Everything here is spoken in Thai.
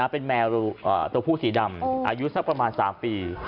เป็นแมวตัวผู้สีดำอายุสักประมาณ๓ปี